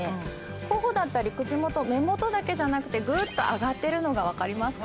頬だったり口元目元だけじゃなくてグッと上がってるのが分かりますか？